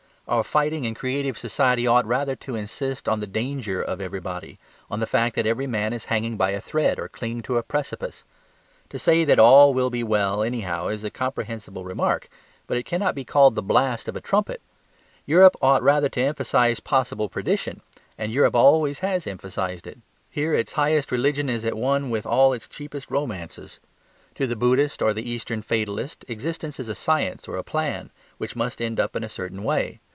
Our fighting and creative society ought rather to insist on the danger of everybody, on the fact that every man is hanging by a thread or clinging to a precipice. To say that all will be well anyhow is a comprehensible remark: but it cannot be called the blast of a trumpet. Europe ought rather to emphasize possible perdition; and Europe always has emphasized it. Here its highest religion is at one with all its cheapest romances. To the Buddhist or the eastern fatalist existence is a science or a plan, which must end up in a certain way.